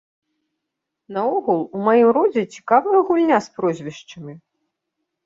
Наогул, у маім родзе цікавая гульня з прозвішчамі.